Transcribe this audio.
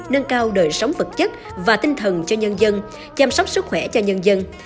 nâng cao đời sống vật chất và tinh thần cho nhân dân chăm sóc sức khỏe cho nhân dân